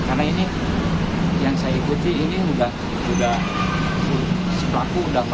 karena saya sudah mengikuti pelaku yang sudah saya ikuti